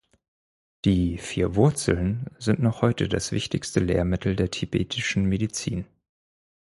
Die "Vier Wurzeln" sind noch heute das wichtigste Lehrmittel der Tibetischen Medizin.